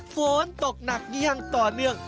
ฝนตกหนักอย่างต่อเนื่อง